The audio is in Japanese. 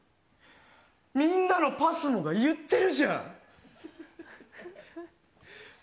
みんなのＰＡＳＭＯが言ってるじゃん。